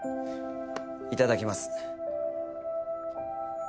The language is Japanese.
いただきます。